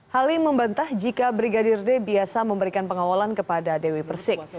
halim membantah jika brigadir d biasa memberikan pengawalan kepada dewi persik